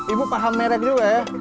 ibu paham merek juga ya